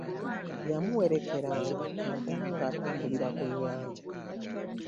Yamuwerekeranga nnaddala ng'atambulira ku nnyanja